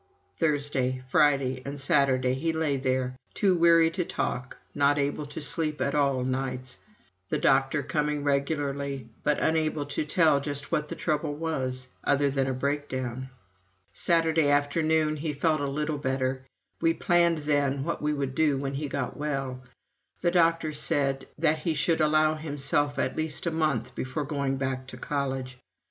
Thursday, Friday, and Saturday he lay there, too weary to talk, not able to sleep at all nights; the doctor coming regularly, but unable to tell just what the trouble was, other than a "breakdown." Saturday afternoon he felt a little better; we planned then what we would do when he got well. The doctor had said that he should allow himself at least a month before going back to college.